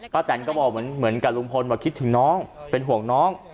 แตนก็บอกเหมือนกับลุงพลว่าคิดถึงน้องเป็นห่วงน้อง